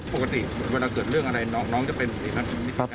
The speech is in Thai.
ปกติเวลาเกิดเรื่องอะไรน้องจะเป็นอย่างไรครับ